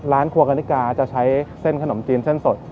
ครัวกณิกาจะใช้เส้นขนมจีนเส้นสด